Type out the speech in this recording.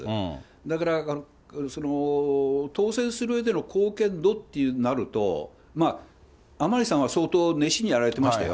だから、当選するうえでの貢献度となると、甘利さんは相当熱心にやられてましたよ。